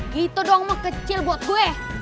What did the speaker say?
gitu doang mau kecil buat gue